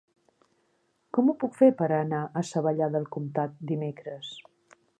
Com ho puc fer per anar a Savallà del Comtat dimecres?